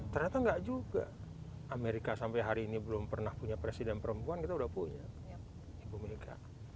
ternyata enggak juga amerika sampai hari ini belum pernah punya presiden perempuan kita udah punya ibu mega